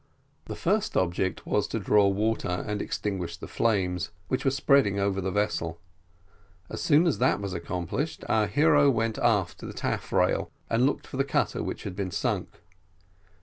The first object was to draw water and extinguish the flames, which were spreading over the vessel; as soon as that was accomplished, our hero went aft to the taffrail, and looked for the cutter which had been sunk.